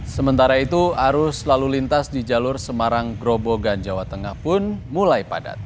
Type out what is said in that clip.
sementara itu arus lalu lintas di jalur semarang grobogan jawa tengah pun mulai padat